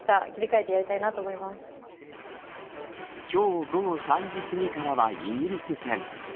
今日、午後３時すぎからはイギリス戦。